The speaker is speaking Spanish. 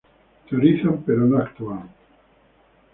Teorizan pero no actúan.